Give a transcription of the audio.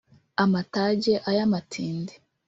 Amatage aya matindi